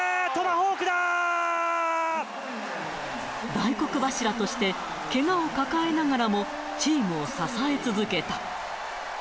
大黒柱としてけがを抱えながらも、チームを支え続けた。